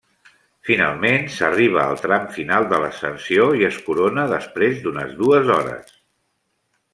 Finalment s'arriba al tram final de l'ascensió i es corona després d'unes dues hores.